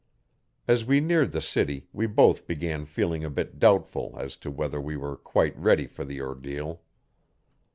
As we neared the city we both began feeling a bit doubtful as to whether we were quite ready for the ordeal.